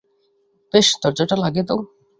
ব্যস দরজাটা লাগিয়ে দাও।